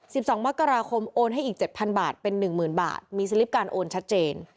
สิบสองมกราคมโอนให้อีกเจ็ดพันบาทเป็นหนึ่งหมื่นบาทมีสลิปการโอนชัดเจน